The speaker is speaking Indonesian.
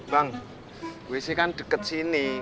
bang wc kan deket sini